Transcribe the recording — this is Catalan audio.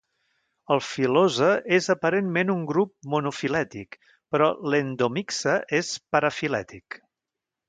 El filosa és aparentment un grup monofilètic, però l'endomyxa és parafilètic.